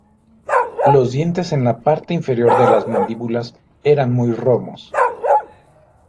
Los dientes en la parte inferior de las mandíbulas eran muy romos.